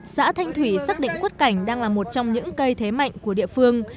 xã thanh thủy xác định quất cảnh đang là một trong những cây thế mạnh của địa phương